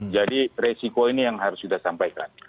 jadi resiko ini yang harus kita sampaikan